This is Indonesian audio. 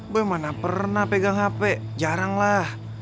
gue mana pernah pegang hp jarang lah